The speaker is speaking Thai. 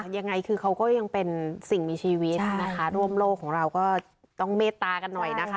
ยังไงคือเขาก็ยังเป็นสิ่งมีชีวิตนะคะร่วมโลกของเราก็ต้องเมตตากันหน่อยนะคะ